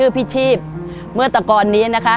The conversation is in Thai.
พี่ชีพเขาตื่นมาเขาก็ร้องให้โหยวายใหญ่เลย